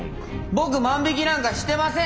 僕万引きなんかしてません。